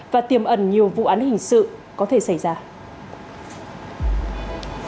và tiềm ẩn nhiều vụ án hình sự có thể xảy ra